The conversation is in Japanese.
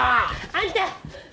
あんた！